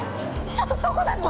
ちょっとどこなの！？